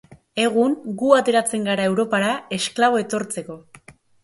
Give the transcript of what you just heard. Egun gu ateratzen gara Europara esklabo etortzeko.